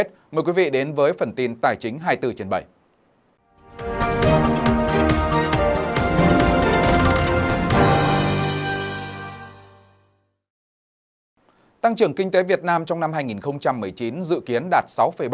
tăng trưởng kinh tế việt nam trong năm hai nghìn một mươi chín dự kiến đạt sáu bảy